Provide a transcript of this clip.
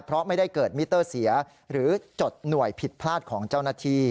เพราะไม่ได้เกิดมิเตอร์เสียหรือจดหน่วยผิดพลาดของเจ้าหน้าที่